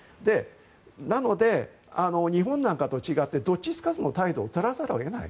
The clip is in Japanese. なので、日本なんかと違ってどっちつかずの態度を取らざるを得ない。